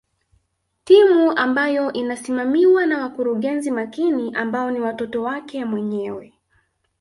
Timu ambayo inasimamiwa na wakurugenzi makini ambao ni watoto wake mwenyewe